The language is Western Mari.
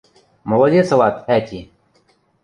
– Молодец ылат, ӓти!